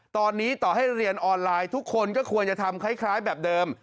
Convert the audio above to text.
ตอนนี้ต่อให้เรียนออนไลน์ทุกคนก็ควรจะทำคล้ายแบบเดิม